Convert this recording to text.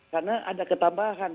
karena ada ketambahan